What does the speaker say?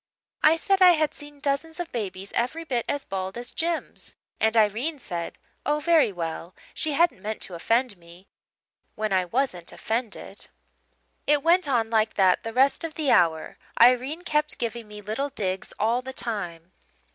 I said I had seen dozens of babies every bit as bald as Jims, and Irene said, Oh very well, she hadn't meant to offend me when I wasn't offended. "It went on like that the rest of the hour Irene kept giving me little digs all the time.